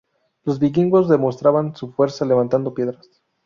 Los vikingos demostraban su fuerza levantando piedras.